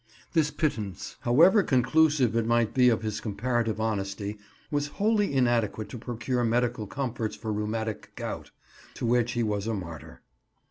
This pittance, however conclusive it might be of his comparative honesty, was wholly inadequate to procure medical comforts for rheumatic gout, to which he was a martyr.